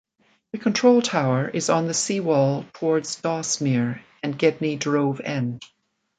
The control tower is on the sea wall towards Dawsmere and Gedney Drove End.